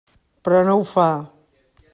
Però no ho fa.